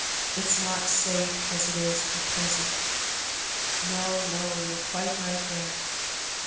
" It's not safe as it is at present." "No, no; you're quite right there."